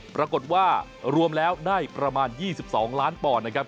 ปรากฏว่ารวมแล้วได้ประมาณ๒๒ล้านปอนด์นะครับ